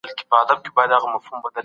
کندهار نړیوال هوايي ډګر لري.